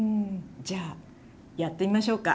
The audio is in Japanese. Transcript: じゃあやってみましょうか？